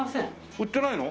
売ってないの？